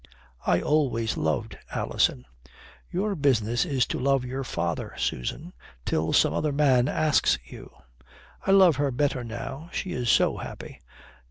"I always loved Alison." "Your business is to love your father, Susan till some other man asks you." "I love her better now. She is so happy."